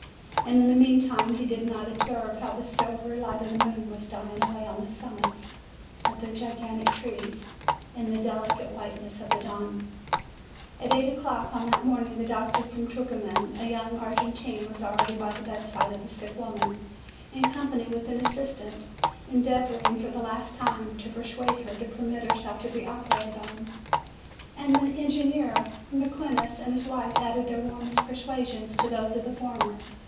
And in the meantime he did not observe how the silvery light of the moon was dying away on the sum mits of the gigantic trees in the delicate whiteness of the dawn. At eight o'clock on that morning, the doctor from Tucuman, a young Argentine, was already by the bed side of the sick woman, in company with an assistant, endeavoring, for the last time, to persuade her to permit herself to be operated on; and the engineer Mequinez and his wife added their warmest persua sions to those of the former.